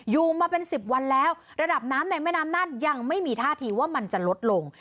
อยู่มาเป็นสิบวันแล้วระดับน้ำในแม่น้ำน่านยังไม่มีท่าทีว่ามันจะลดลง